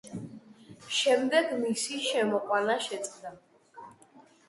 შემდეგ მისი შემოყვანა შეწყდა.